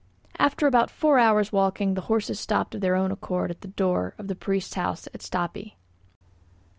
After about four hours' walking the horses stopped of their own accord at the door of the priest's house at Stapi.